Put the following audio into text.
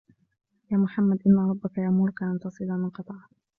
يَا مُحَمَّدُ إنَّ رَبَّك يَأْمُرُك أَنْ تَصِلَ مَنْ قَطَعَك